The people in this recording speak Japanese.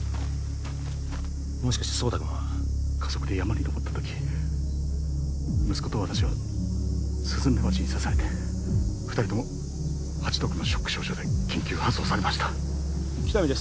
もしかして壮太君は家族で山に登った時息子と私はスズメバチに刺されて２人ともハチ毒のショック症状で緊急搬送されました喜多見です